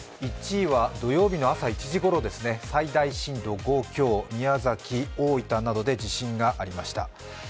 １位は土曜日の朝１時ごろですね、最大震度５強、宮崎、大分などで地震がありました。